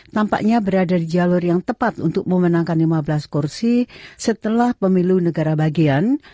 tampaknya berada di jalur yang tepat untuk memenangkan lima belas kursi setelah pemilu negara bagian